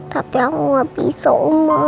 tapi aku gak bisa oma